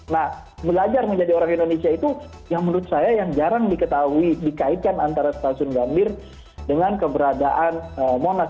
nah belajar menjadi orang indonesia itu yang menurut saya yang jarang diketahui dikaitkan antara stasiun gambir dengan keberadaan monas